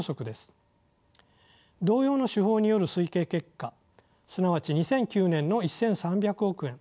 同様の手法による推計結果すなわち２００９年の１，３００億円